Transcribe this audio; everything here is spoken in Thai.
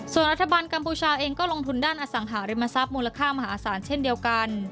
ส่วนรัฐบาลกัมพูชาเองก็ลงทุนด้านอสังหาริมทรัพย์มูลค่ามหาศาลเช่นเดียวกัน